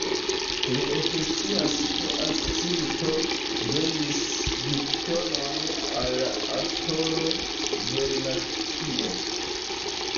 Li ekscias, ke Ascilto vendis Gitonon al la aktoro Vernakjo.